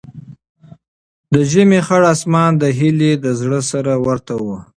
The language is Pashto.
د ژمي خړ اسمان د هیلې له زړه سره ورته و.